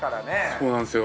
そうなんですよ。